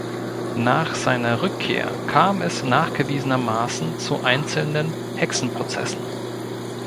Nach seiner Rückkehr kam es nachgewiesenermaßen zu einzelnen Hexenprozessen.